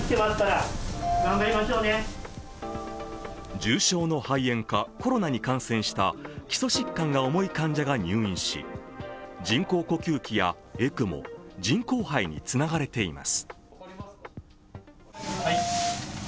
重症の肺炎か、コロナに感染した基礎疾患が重い患者が入院し人工呼吸器やＥＣＭＯ＝人工肺につながれています。